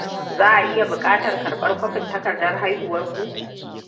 Za a iya buƙatar karɓar kwafin takardar haihuwarku.